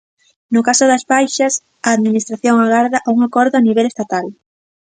No caso das baixas, a Administración agarda a un acordo a nivel estatal.